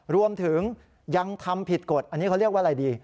รวมถึงยังทำผิดกฎอันนี้เขาเรียกว่าอะไรดี